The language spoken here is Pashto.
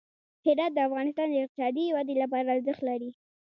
هرات د افغانستان د اقتصادي ودې لپاره ارزښت لري.